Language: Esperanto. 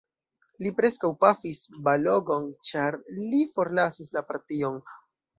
Li preskaŭ pafis Balogh-on, ĉar li forlasis la partion.